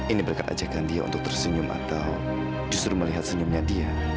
ini berkat ajakan dia untuk tersenyum atau justru melihat senyumnya dia